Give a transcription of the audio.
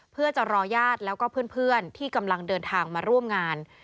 เพื่อจะรอญาติแล้วก็เพื่อนที่กำลังเดินทางมาร่วมงาน